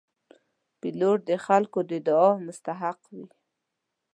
پیلوټ د خلکو د دعاو مستحق وي.